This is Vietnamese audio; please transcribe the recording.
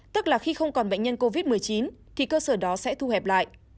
tức là khi không còn bệnh nhân covid một mươi chín thì cơ sở đó sẽ thu hẹp lại